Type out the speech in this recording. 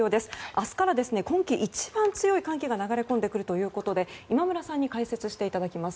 明日から今季一番強い寒気が流れ込んでくるということで今村さんに解説していただきます。